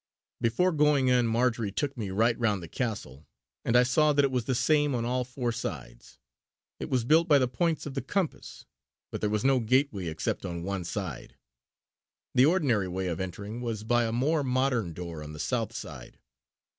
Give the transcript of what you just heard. Before going in, Marjory took me right round the castle and I saw that it was the same on all four sides. It was built by the points of the compass; but there was no gateway except on one side. The ordinary way of entering was by a more modern door on the south side.